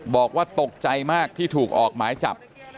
บอกว่าตกใจมากที่ถูกออกหมายจับ